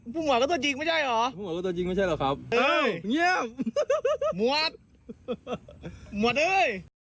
ผู้หมวดก็ตัวจริงไม่ใช่เหรอผู้หมวดก็ตัวจริงไม่ใช่หรอกครับเฮ้ยเงียบหมวดหมวดเฮ้ย